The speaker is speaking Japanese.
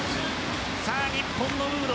さあ、日本のムード